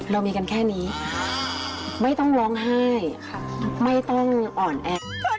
เรามีกันแค่นี้ไม่ต้องร้องไห้ไม่ต้องอ่อนแอ